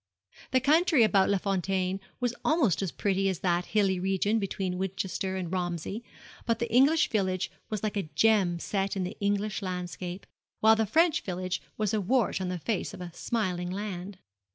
The country about Les Fontaines was almost as pretty as that hilly region between Winchester and Romsey; but the English village was like a gem set in the English landscape, while the French village was a wart on the face of a smiling land.